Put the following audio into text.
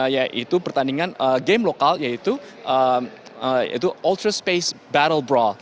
yaitu pertandingan game lokal yaitu ultra space battle bral